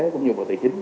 cũng như bộ tài chính